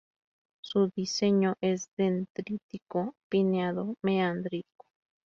Su diseño es dendrítico_pineado_meándrico.